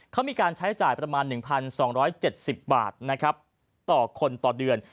เขามีการใช้จ่ายประมาณ๑๒๗๐บาทนะครับต่อคนต่อเดือน